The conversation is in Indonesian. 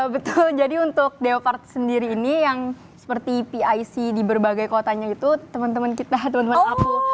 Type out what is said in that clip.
betul jadi untuk day of art sendiri ini yang seperti pic di berbagai kotanya itu temen temen kita temen temen aku